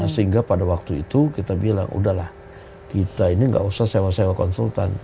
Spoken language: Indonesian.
sehingga pada waktu itu kita bilang udahlah kita ini nggak usah sewa sewa konsultan